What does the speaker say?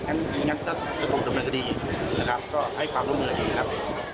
ถ้าต้องกดกลุ่มดำเนินคดีให้ความดุมเนินคดีนะครับ